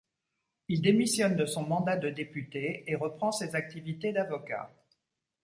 Il démissionne de son mandat de député et reprend ses activités d'avocat.